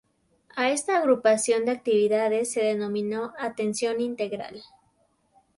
A esta agrupación de actividades se denominó Atención Integral.